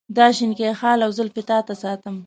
دا شینکی خال او زلفې تا ته ساتم.